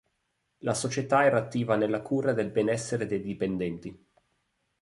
La società era attiva nella cura del benessere dei dipendenti.